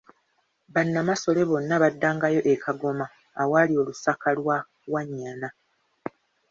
Bannamasole bonna baddangayo e Kagoma awali Olusaka lwa Wannyana.